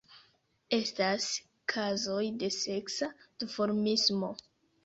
Estas kazoj de seksa duformismo.